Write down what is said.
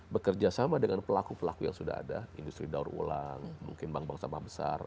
bekerja sama dengan pelaku pelaku yang sudah ada industri daur ulang mungkin bank bank sampah besar